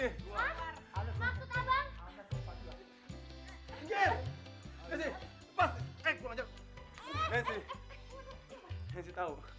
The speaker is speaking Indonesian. nensi nensi tahu